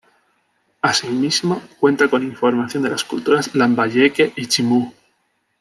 Así mismo cuenta con información de las culturas lambayeque y chimú.